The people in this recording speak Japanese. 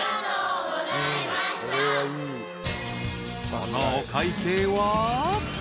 ［そのお会計は？］